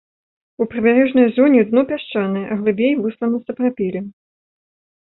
У прыбярэжнай зоне дно пясчанае, глыбей выслана сапрапелем.